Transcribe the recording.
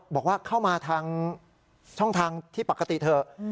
บอกว่าเข้ามาทางช่องทางที่ปกติเถอะ